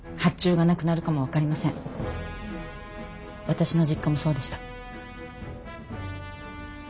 私の実家もそうでした。